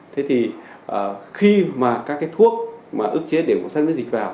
thế thì khi mà các cái thuốc mà ức chế điểm kiểm soát miễn dịch vào